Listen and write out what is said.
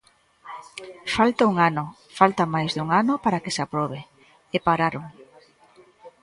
Falta un ano, falta máis dun ano para que se aprobe, e pararon.